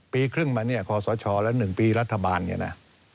ปีครึ่งมาเนี่ยขอสชและ๑ปีรัฐบาลเนี่ยนะ